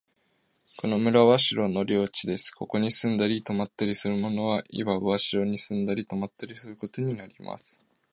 この村は城の領地です。ここに住んだり泊ったりする者は、いわば城に住んだり泊ったりすることになります。